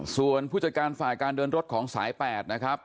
ส่วนผู้จัดการฝ่ายการเดินรถของสาย๘นะครับ